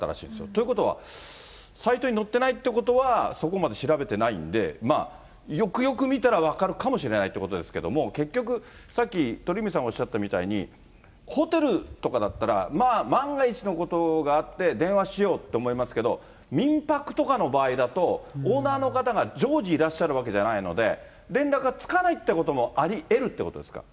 ということは、サイトに載ってないということは、そこまで調べてないんで、よくよく見たら分かるかもしれないってことですけど、結局、さっき鳥海さんがおっしゃったみたいに、ホテルとかだったら、まあ、万が一のことがあって、電話しようって思いますけど、民泊とかの場合だと、オーナーの方が常時、いらっしゃるわけじゃないので、連絡がつかないっていうこともありえるってことですか。